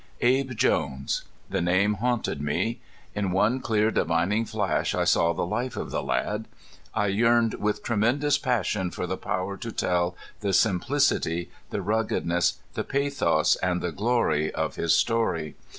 Abe Jones! The name haunted me. In one clear divining flash I saw the life of the lad. I yearned with tremendous passion for the power to tell the simplicity, the ruggedness, the pathos and the glory of his story.